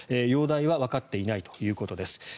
容体はわかっていないということです。